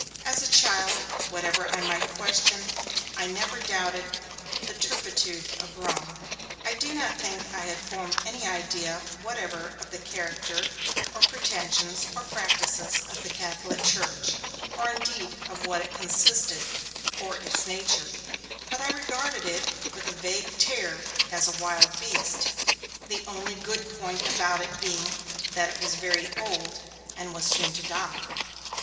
As a child, whatever I might question, I never doubted the turpitude of Rome. I do not think I had formed any idea whatever of the character or pretensions or practices of the Catholic Church, or indeed of what it consisted, or its nature; but I regarded it with a vague terror as a wild beast, the only good point about it being that it was very old and was soon to die.